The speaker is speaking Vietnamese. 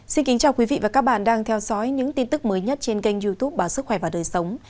xin kính chào quý vị và các bạn đang theo dõi những tin tức mới nhất trên kênh youtube báo sức khỏe và đời sống